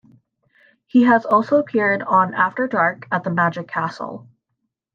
He has also appeared on After Dark At The Magic Castle.